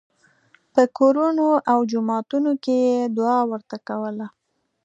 په کورونو او جوماتونو کې یې دعا ورته کوله.